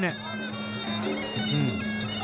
อืม